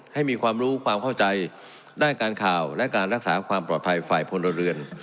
ให้มีความรู้ความเข้าใจด้านการข่าวและการรักษาความปลอดภัยฝ่ายพลเรือน